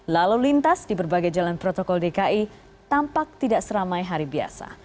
lalu lintas di berbagai jalan protokol dki tampak tidak seramai hari biasa